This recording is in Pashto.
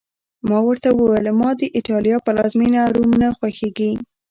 ما ورته وویل: زما د ایټالیا پلازمېنه، روم نه خوښېږي.